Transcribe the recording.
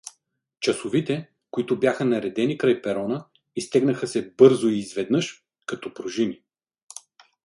Часовите, които бяха наредени край перона, изтегнаха се бързо и изведнъж, като пружини.